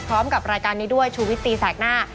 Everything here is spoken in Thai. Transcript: พร้อมกับรายการนี้ด้วยชูวิตตีแสกหน้า